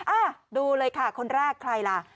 อ่ะดูเลยค่ะคนแรกใครล่ะ